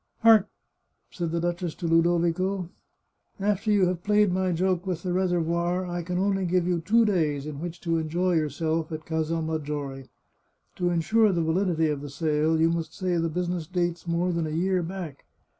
" Hark !" said the duchess to Ludovico. " After you have played my joke with the reservoir I can only give you two days in which to enjoy yourself at Casal Maggiore. To insure the validity of the sale, you must say the business dates more than a year back.